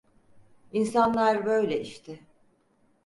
İnsanlar böyle işte…